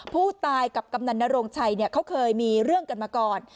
ผู้ตายกับกำนันนโรงชัยเขาเคยมีเรื่องกันมาก่อน